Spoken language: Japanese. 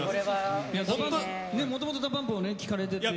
もともとＤＡＰＵＭＰを聴かれててね。